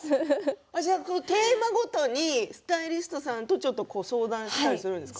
テーマごとにスタイリストさんと相談したりするんですか？